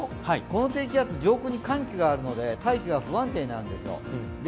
この低気圧、上空に寒気があるので大気が不安定になるんですよ。